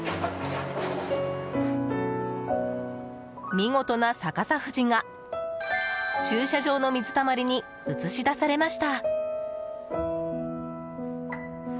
見事な逆さ富士が、駐車場の水たまりに映し出されました。